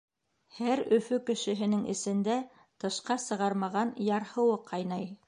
Һәр Өфө кешеһенең эсендә тышҡа сығармаған ярһыуы ҡайнай.